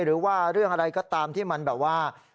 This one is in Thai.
หรือว่าเรื่องอะไรก็ตามที่มันแบบว่า